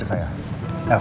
tidak ada yang bisa dikira